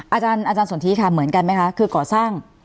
อาจารย์สนทิค่ะเหมือนกันไหมคะคือก่อสร้าง